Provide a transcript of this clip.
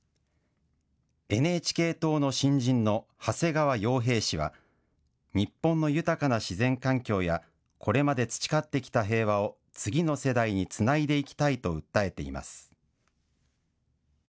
ＮＨＫ党の新人の長谷川洋平氏は日本の豊かな自然環境や、これまで培ってきた平和を次の世代につないでいきたいと訴えています。